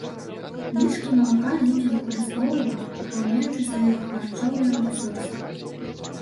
Лішкі малака людзі выкарыстоўваюць, папаўняючы свае харчовыя рэсурсы.